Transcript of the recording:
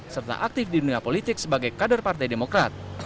serta aktif di dunia politik sebagai kader partai demokrat